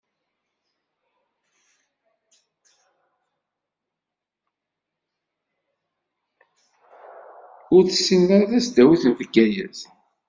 Ur tessin ara tasdawit n Bgayet.